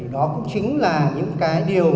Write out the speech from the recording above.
đó cũng chính là những cái điều